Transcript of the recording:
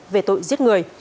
về tội giết người